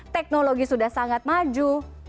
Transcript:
teknologi sudah sangat maju